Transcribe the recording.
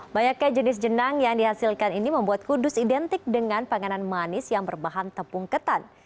banyaknya jenis jenang yang dihasilkan ini membuat kudus identik dengan panganan manis yang berbahan tepung ketan